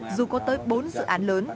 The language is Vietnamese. dù có tới bốn dự án lớn